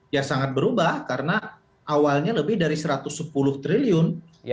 ya sangat berubah karena awalnya lebih dari satu ratus sepuluh triliun